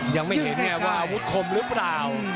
ยังไม่เห็นไงว่าอาวุธคมหรือเปล่า